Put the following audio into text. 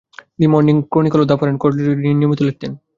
তিনি the Morning Chronicle ও the Foreign Quarterly রিভিউ-এ নিয়মিত লিখতেন।